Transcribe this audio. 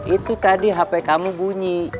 itu tadi hp kamu bunyi